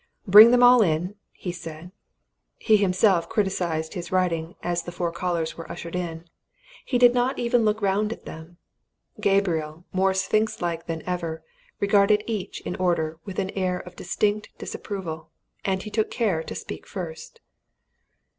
"Bring them all in," he said. He himself criticized his writing as the four callers were ushered in; he did not even look round at them. Gabriel, more sphinx like than ever, regarded each in order with an air of distinct disapproval. And he took care to speak first.